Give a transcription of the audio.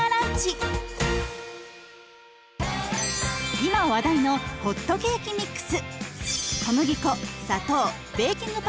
今話題のホットケーキミックス。